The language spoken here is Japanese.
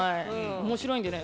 面白いんでね。